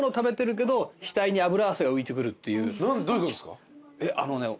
どういうことですか？